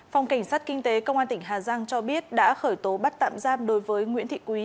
phòng cảnh sát kinh tế công an tỉnh hà giang cho biết đã khởi tố bắt tạm giam đối với nguyễn thị quý